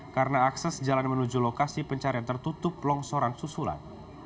karena akses jalan menuju lokasi pencarian tertutup longsoran susulan